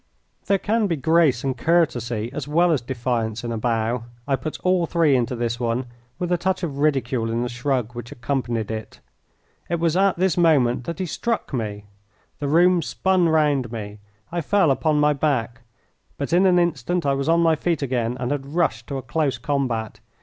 There can be grace and courtesy as well as defiance in a bow; I put all three into this one, with a touch of ridicule in the shrug which accompanied it. It was at this moment that he struck me. The room spun round me. I fell upon my back. But in an instant I was on my feet again and had rushed to a close combat.